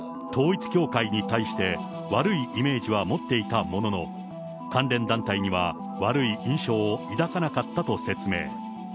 統一教会に対して悪いイメージは持っていたものの、関連団体には悪い印象を抱かなかったと説明。